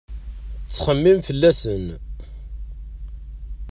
Ttxemmim fell-asen.